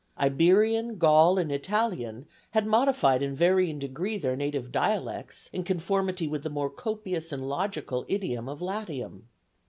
Iberian, Gaul, and Italian had modified in varying degree their native dialects in conformity with the more copious and logical idiom of Latium.